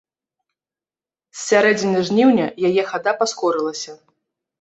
З сярэдзіны жніўня яе хада паскорылася.